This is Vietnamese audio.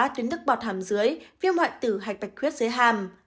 tuyến nước bọt hàm dưới viêm hoại tử hạch bạch huyết dưới hàm